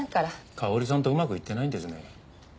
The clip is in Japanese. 香織さんとうまくいってないんですね。